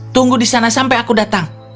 tunggu di sana sampai aku datang